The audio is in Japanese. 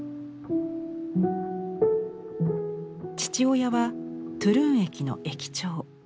父親はトゥルン駅の駅長。